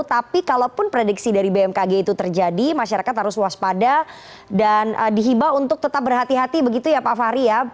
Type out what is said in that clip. tapi kalaupun prediksi dari bmkg itu terjadi masyarakat harus waspada dan dihibah untuk tetap berhati hati begitu ya pak fahri ya